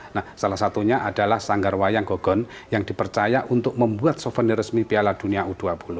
nah salah satunya adalah sanggarwayang gogon yang dipercaya untuk membuat souvenir resmi piala dunia u dua puluh